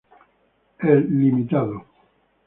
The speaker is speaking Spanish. El "Ltd.